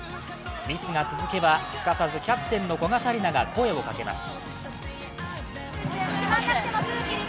ミスが続けば、すかさずキャプテンの古賀紗理那が声をかけます。